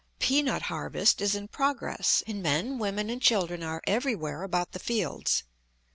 Peanut harvest is in progress, and men, women, and children are everywhere about the fields.